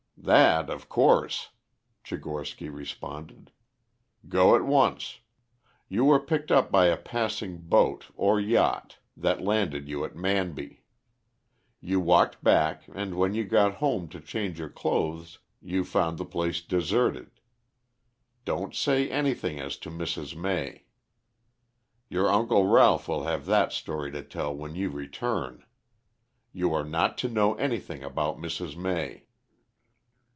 "That of course," Tchigorsky responded. "Go at once. You were picked up by a passing boat or yacht that landed you at Manby. You walked back and when you got home to change your clothes you found the place deserted. Don't say anything as to Mrs. May. Your Uncle Ralph will have that story to tell when you return. You are not to know anything about Mrs. May."